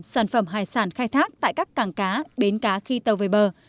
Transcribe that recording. sản phẩm hải sản khai thác tại các cảng cá bến cá khi tàu về bờ